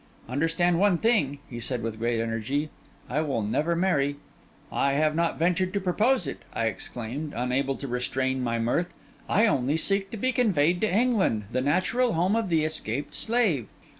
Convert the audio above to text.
'Understand one thing,' he said, with great energy. 'I will never marry.' 'I had not ventured to propose it,' I exclaimed, unable to restrain my mirth; 'I only seek to be conveyed to England, the natural home of the escaped slave.